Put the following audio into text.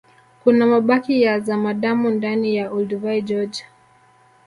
kuna mabaki ya zamadamu ndani ya olduvai george